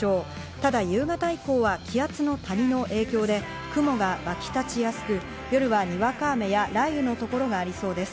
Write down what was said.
ただ夕方以降は気圧の谷の影響で雲が沸き立ちやすく、夜はにわか雨や雷雨の所がありそうです。